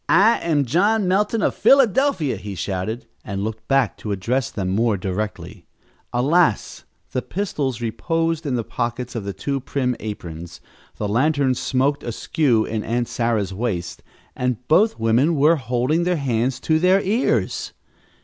"I am John Melton, of Philadelphia," he shouted, and looked back to address them more directly. Alas, the pistols reposed in the pockets of the two prim aprons, the lantern smoked askew at Aunt Sarah's waist, and both women were holding their hands to their ears!